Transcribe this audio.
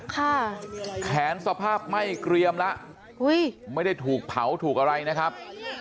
ค่ะแขนสภาพไหม้เกรียมแล้วอุ้ยไม่ได้ถูกเผาถูกอะไรนะครับ